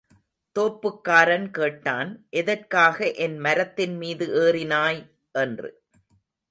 தோப்புக்காரன் கேட்டான், எதற்காக என் மரத்தின் மீது ஏறினாய்? என்று.